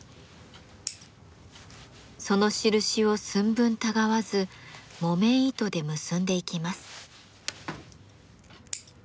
その印を寸分たがわず木綿糸で結んでいきます。